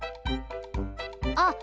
あっ！